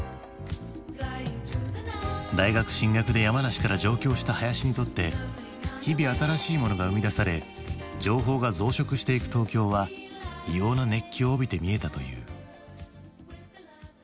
大学進学で山梨から上京した林にとって日々新しいものが生み出され情報が増殖していく東京は異様な熱気を帯びて見えたという。